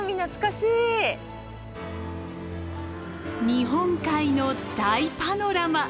日本海の大パノラマ。